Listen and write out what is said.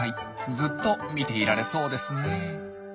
ずっと見ていられそうですねえ。